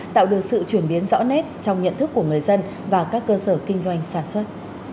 tạo được sự chuyển biến rõ nét trong nhận thức của người dân và các cơ sở kinh doanh sản xuất